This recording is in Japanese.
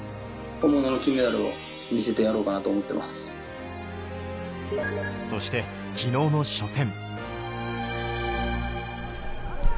本物の金メダルを見せてやろうかそして、きのうの初戦。